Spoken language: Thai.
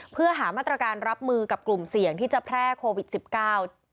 เพื่อหามาตรการรับมือกับกลุ่มเสี่ยงที่จะแพร่โควิดสิบเก้า